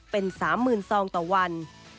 เป็น๓หมื่นซองต่อวัน